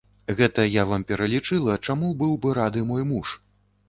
Гэта я вам пералічыла, чаму быў бы рады мой муж.